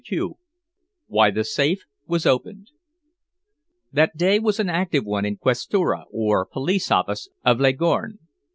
CHAPTER II WHY THE SAFE WAS OPENED That day was an active one in Questura, or police office, of Leghorn.